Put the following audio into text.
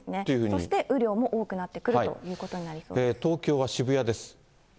そして雨量も多くなってくるということになりそ東京は渋谷です。